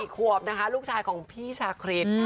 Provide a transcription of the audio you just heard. ๔ขวบนะคะลูกชายของพี่ชาคริส